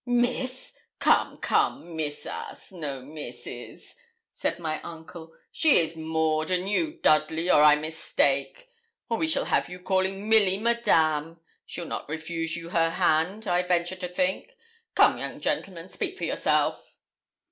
'Miss! Come, come. Miss us, no Misses,' said my uncle; 'she is Maud, and you Dudley, or I mistake; or we shall have you calling Milly, madame. She'll not refuse you her hand, I venture to think. Come, young gentleman, speak for yourself.'